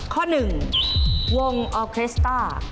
ข้อหนึ่งวงออเครสต้า